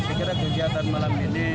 kegiatan malam ini